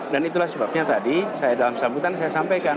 dan itulah sebabnya tadi saya dalam sambutan saya sampaikan